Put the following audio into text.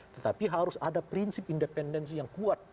tetapi harus ada prinsip independensi yang kuat